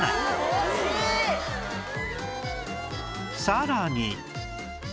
さらに